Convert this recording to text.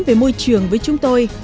về môi trường với chúng tôi